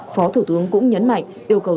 phó thủ tướng cũng nhấn mạnh yêu cầu